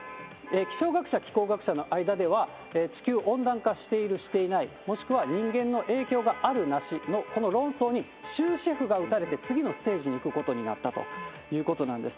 気象学者、気候学者の間では、地球温暖化している、していない、もしくは人間の影響がある、なしのこの論争に終止符を打たれて、次のステージに行くことになったということなんです。